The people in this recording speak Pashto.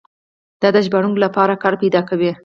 دا د ژباړونکو لپاره کار پیدا کوي.